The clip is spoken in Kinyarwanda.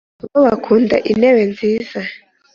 bo bakunda intebe nziza